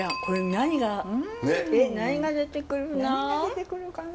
何が出てくるかな。